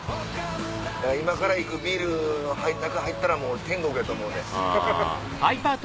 今から行くビルの中入ったらもう天国やと思うねん。